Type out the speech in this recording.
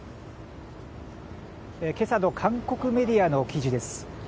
今朝の韓国メディアの記事です。